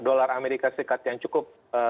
dolar amerika serikat yang cukup